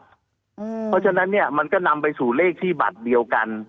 เพราะฉะนั้นเนี่ยมันก็นำไปสู่เลขที่บัตรเดียวกัน